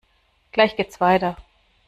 Gleich geht's weiter!